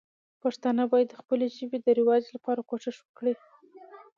پښتانه باید د خپلې ژبې د رواج لپاره کوښښ وکړي.